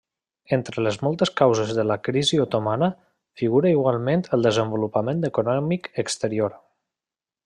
Entre les moltes causes de la crisi otomana, figura igualment el desenvolupament econòmic exterior.